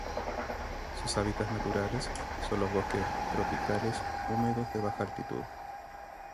Sus hábitats naturales son los bosques tropicales húmedos de baja altitud.